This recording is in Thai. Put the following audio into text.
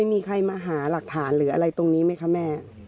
ไม่รู้เหมือนกันนะ